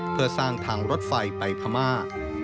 เพื่อสร้างทางรถไฟไปพม่า